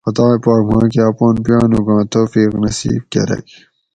خدائے پاک ماکہ اپان پویانوگاں توفیق نصیب کۤرگ